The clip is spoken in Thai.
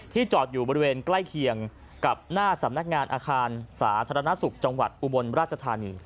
จอดอยู่บริเวณใกล้เคียงกับหน้าสำนักงานอาคารสาธารณสุขจังหวัดอุบลราชธานี